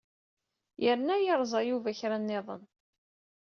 Yerna yerẓa Yuba kra nniḍen?